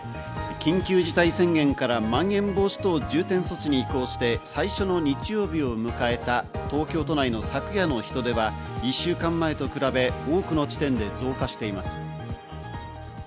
緊急事態宣言からまん延防止等重点措置に移行して最初の日曜日を迎えた東京都内の昨夜の人出は一週間前と比べ、多くの地点で増加しています。